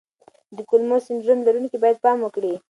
د کولمو سنډروم لرونکي باید پام وکړي.